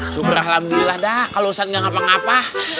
subrahlamullah dah kalau ustadz gak apa apa